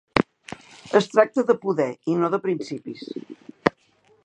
Es tracta de poder i no de principis.